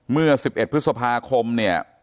เมื่อ๑๑พฤษภาคมเนี่ย